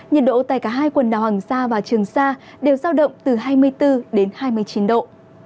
nhiệt độ tại cả hai quần đảo hoàng sa và trường sa đều giao động từ hai mươi bốn đến hai mươi chín độ